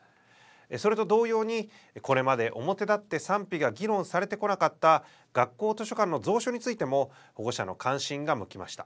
それと同様にこれまで表だって賛否が議論されてこなかった学校図書館の蔵書についても保護者の関心が向きました。